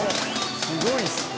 すごいですね！